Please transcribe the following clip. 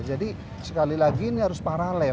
jadi sekali lagi ini harus paralel